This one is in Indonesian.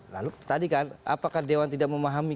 lalu tadi kan apakah dewan tidak memahami